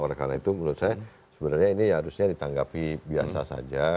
oleh karena itu menurut saya sebenarnya ini harusnya ditanggapi biasa saja